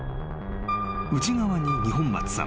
［内側に二本松さん］